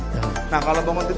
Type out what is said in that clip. nah kalau bang menteri dia pengaruh